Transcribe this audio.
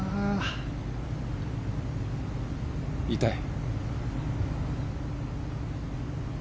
痛い。